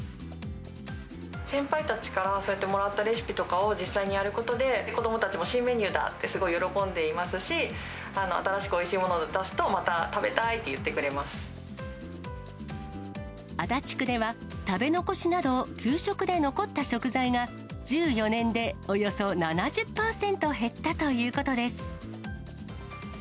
先輩たちからそうやってもらったレシピとかを実際にやることで、子どもたちも新メニューだってすごい喜んでいますし、新しくおいしいものを出すと、また食べ足立区では、食べ残しなど給食で残った食材が、１４年でおよそ７０％減ったということです。